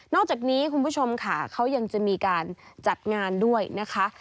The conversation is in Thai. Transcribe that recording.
อกจากนี้คุณผู้ชมค่ะเขายังจะมีการจัดงานด้วยนะคะ